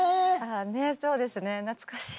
そうですね懐かしい。